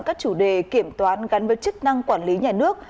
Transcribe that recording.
các chủ đề kiểm toán gắn với chức năng quản lý nhà nước